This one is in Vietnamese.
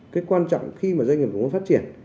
cái quan trọng khi mà doanh nghiệp muốn phát triển